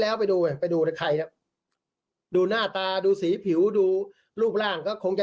แล้วไปดูเลยใครเนี่ยดูหน้าตาดูสีผิวดูรูปร่างก็คงจะ